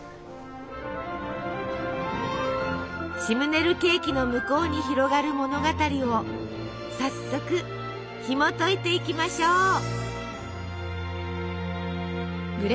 シムネルケーキの向こうに広がる物語を早速ひもといていきましょう。